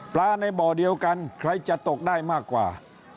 ในบ่อเดียวกันใครจะตกได้มากกว่า